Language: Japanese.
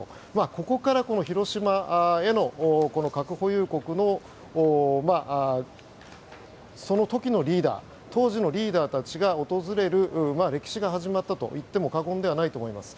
ここから、広島へのこの核保有国のその時のリーダー当時のリーダーたちが訪れる歴史が始まったと言っても過言ではないと思います。